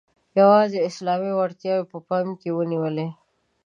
یوازي اسلامي وړتیاوې یې په پام کې ونیولې.